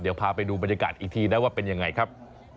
เดี๋ยวพาไปดูบรรยากาศอีกทีนะว่าเป็นยังไงครับ